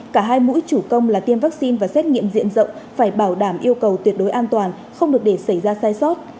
cả hai mũi chủ công là tiêm vaccine và xét nghiệm diện rộng phải bảo đảm yêu cầu tuyệt đối an toàn không được để xảy ra sai sót